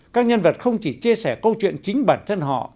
các nhân vật không chỉ chia sẻ câu chuyện chính bản thân họ